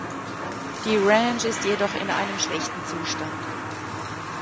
Die Ranch ist jedoch in einem schlechten Zustand.